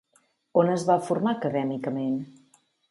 On es va formar acadèmicament?